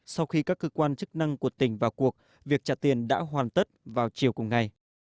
sau khi các cơ quan chức năng của tỉnh vào cuộc việc trả tiền đã hoàn tất vào chiều cùng ngày